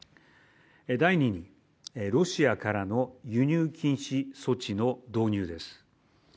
第２に、ロシアからの輸入禁止措置の導入です。